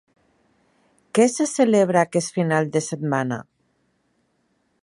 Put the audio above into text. Què se celebra aquest final de setmana?